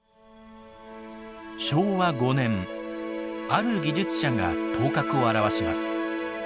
ある技術者が頭角を現します。